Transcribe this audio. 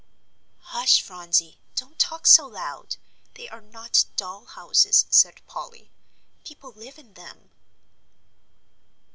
"Hush, Phronsie, don't talk so loud; they are not doll houses," said Polly. "People live in them."